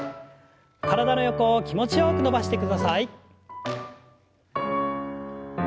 体の横を気持ちよく伸ばしてください。